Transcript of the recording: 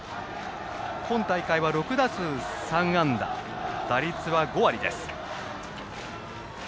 今大会は６打数３安打打率は５割です。